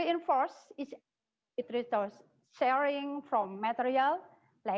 ya karena grup pendapatan yang rendah dan rendah